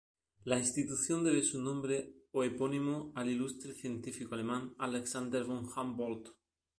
La institución debe su nombre o epónimo al ilustre científico alemán Alexander von Humboldt.